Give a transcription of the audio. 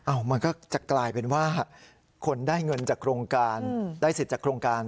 มันก็จะกลายเป็นว่าคนได้เงินจากโครงการได้สิทธิ์จากโครงการ